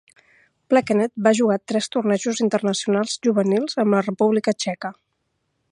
Plekanec va jugar tres tornejos internacionals juvenils amb la República Txeca.